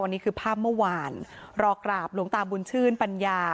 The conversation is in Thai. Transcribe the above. นี่คือภาพเมื่อวานรอกราบหลวงตาบุญชื่นปัญญา